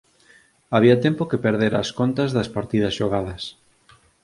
Había tempo que perdera as contas das partidas xogadas.